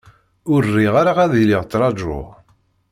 Ur riɣ ara ad iliɣ trajuɣ.